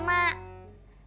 serti mbak tati